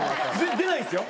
出ないですよ？